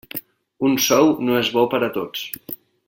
Un sou no és bo per a tots.